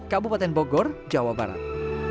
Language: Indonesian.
kabupaten bogor jawa barat